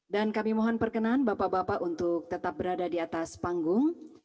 dan kami mohon perkenan bapak bapak untuk tetap berada di atas panggung